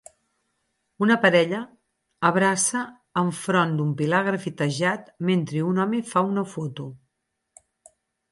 Una parella abraça enfront d'un pilar grafitejat mentre un home fa una foto.